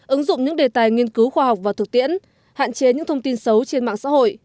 ứng dụng những đề tài nghiên cứu khoa học và thực tiễn hạn chế những thông tin xấu trên mạng xã hội